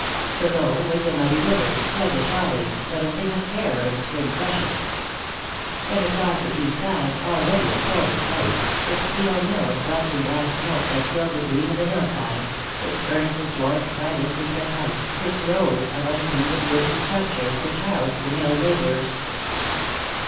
Below was the muddy river, sluggish always, but a thing of terror in spring freshets. And across was the east side, already a sordid place, its steel mills belching black smoke that killed the green of the hillsides, its furnaces dwarfed by distance and height, its rows of unpainted wooden structures which housed the mill laborers.